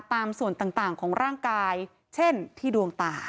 ตามส่วนต่างของร่างกายเช่นที่ดวงตา